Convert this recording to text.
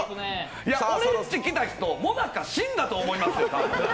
おれんち来た人、もなか死んだと思いますよ！？